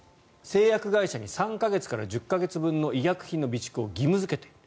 製薬会社に３か月から１０か月分の医薬品の備蓄を義務付けている。